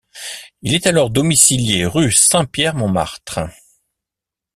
Il est alors domicilié rue Saint-Pierre-Montmartre.